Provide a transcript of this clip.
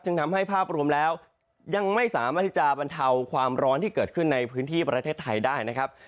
ทำให้ภาพรวมแล้วยังไม่สามารถที่จะบรรเทาความร้อนที่เกิดขึ้นในพื้นที่ประเทศไทยได้นะครับ